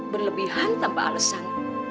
berlebihan tanpa alesan